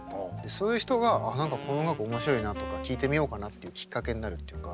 そういう人があっ何かこの音楽面白いなとか聴いてみようかなっていうきっかけになるっていうか。